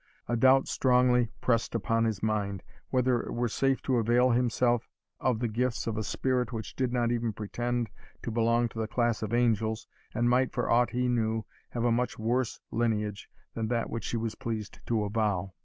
A doubt strongly pressed upon his mind, whether it were safe to avail himself of the gifts of a spirit which did not even pretend to belong to the class of angels, and might, for aught he knew, have a much worse lineage than that which she was pleased to avow.